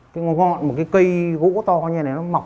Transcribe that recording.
cái ngọn một cái cây gỗ to như thế này